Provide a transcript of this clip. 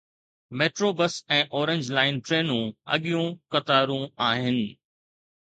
Metro bus ۽ orange line ٽرينون اڳيون قطارون آهن.